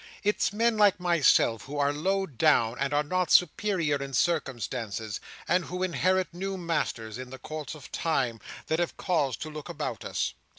It's men like myself, who are low down and are not superior in circumstances, and who inherit new masters in the course of Time, that have cause to look about us.